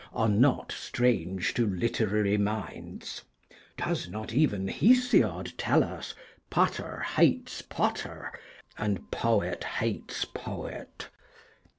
are not strange to literary minds; does not even Hesiod tell us 'potter hates potter, and poet hates poet'?